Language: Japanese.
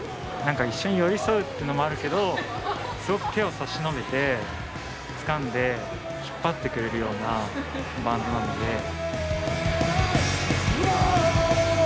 何か一緒に寄り添うっていうのもあるけどすごく手を差し伸べて掴んで引っ張ってくれるようなバンドなので。